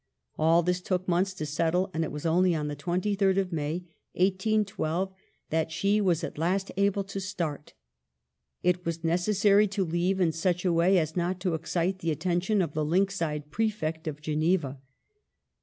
All this took months to settle, and it was only on the 23rd of May, 1 8 12, that she was at last able to start. It was necessary to leave in such a way as not to excite the attention of the lynx eyed Prefect of Geneva.